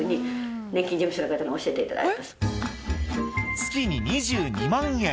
月に２２万円。